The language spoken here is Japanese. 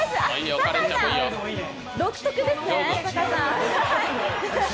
酒井さん独特ですね。